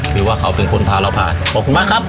คือว่าเขาเป็นคนพาเราผ่านขอบคุณมากครับ